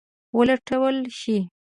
ولټول شي.